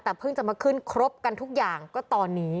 แต่เพิ่งจะมาขึ้นครบกันทุกอย่างก็ตอนนี้